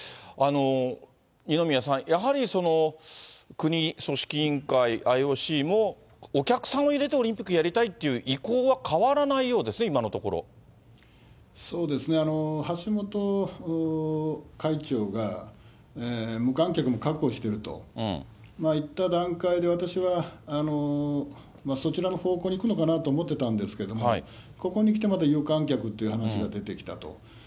二宮さん、やはりその国、組織委員会、ＩＯＣもお客さんを入れてオリンピックをやりたいっていう意向は変わらないようですね、そうですね、橋本会長が無観客も覚悟しているといった段階で私はそちらの方向に行くのかなと思ってたんですけれども、ここにきてまた有観客っていう話が出てきたと。